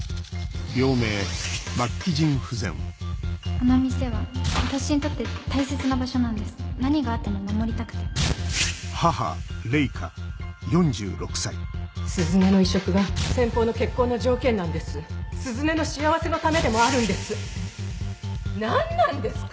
あの店は私にとって大切何があっても守りたくて鈴音の移植が先方の結婚の条鈴音の幸せのためでもあるんです何なんですか？